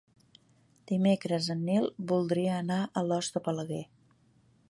Dimecres en Nil voldria anar a Alòs de Balaguer.